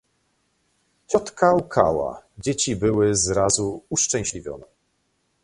"Ciotka łkała... Dzieci były zrazu uszczęśliwione."